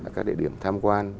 các địa điểm tham quan